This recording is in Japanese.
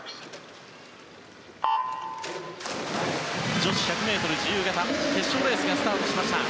女子１００ｍ自由形決勝レースがスタートしました。